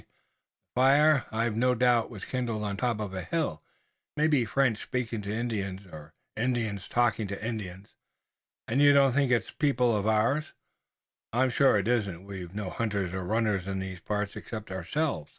The fire, I've no doubt, was kindled on top of a hill. It may be French speaking to Indians, or Indians talking to Indians." "And you don't think it's people of ours?" "I'm sure it isn't. We've no hunters or runners in these parts, except ourselves."